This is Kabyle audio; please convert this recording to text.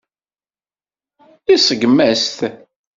Iseggem-as-t.